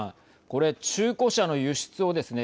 これ中古車の輸出をですね